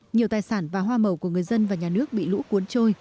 nhiều tài sản và hoa màu của người dân và nhà nước bị lũ cuốn trôi